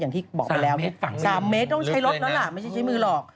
อย่างที่บอกไปแล้ว๓เมตรต้องใช้ล๊อคนั้นแหละไม่ใช่ชีวิตหลอก